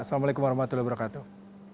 assalamualaikum warahmatullahi wabarakatuh